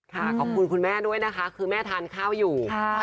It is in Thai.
ขอบคุณคุณแม่ด้วยนะคะคือแม่ทานข้าวอยู่